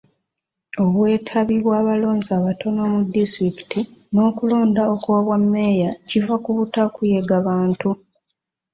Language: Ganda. Obwetabi bw'abalonzi abatono mu disitulikiti n'okulonda okw'obwa meeya kiva ku butakuyega Bantu.